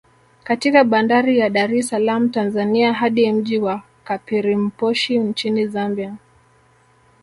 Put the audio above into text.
Katika bandari ya Dar es salaam Tanzania hadi mji wa Kapirimposhi Nchini Zambia